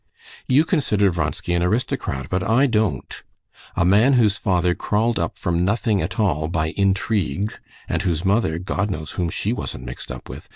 You consider Vronsky an aristocrat, but I don't. A man whose father crawled up from nothing at all by intrigue, and whose mother—God knows whom she wasn't mixed up with....